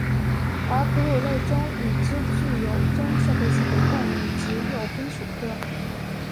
而哺乳类中已知具有真社会性的动物只有滨鼠科。